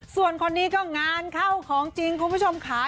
ส่วนคนนี้ก็งานเข้าของจริงคุณผู้ชมค่ะ